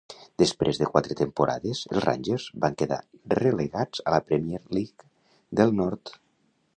Després de quatre temporades, els Rangers van quedar relegats a la Premier League del Nord.